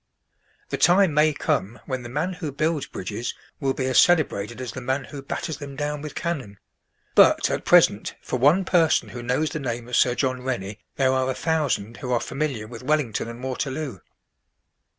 The time may come when the man who builds bridges will be as celebrated as the man who batters them down with cannon; but, at present, for one person who knows the name of Sir John Rennie there are a thousand who are familiar with Wellington and Waterloo.